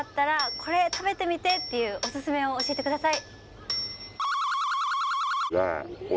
「これ食べてみて！」っていうオススメを教えてください